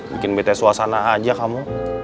bikin beda suasana aja kamu